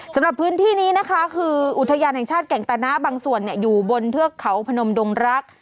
สำหรับพื้นที่นี้นะคะคืออุทยานแห่งชาติแก่งตะนะบางส่วนอยู่บนเทือกเขาพนมดงรัก